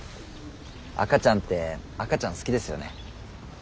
赤ちゃんって赤ちゃん好きですよね。